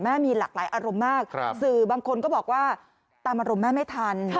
มีหลากหลายอารมณ์มากสื่อบางคนก็บอกว่าตามอารมณ์แม่ไม่ทัน